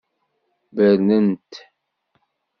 Bernen-t.